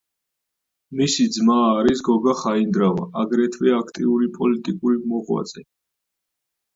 მისი ძმა არის გოგა ხაინდრავა, აგრეთვე აქტიური პოლიტიკური მოღვაწე.